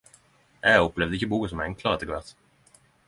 Eg opplevde ikkje boka som enklare etter kvart.